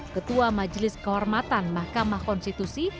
ketua majelis kehormatan mahkamah konstitusi